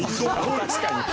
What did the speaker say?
確かに。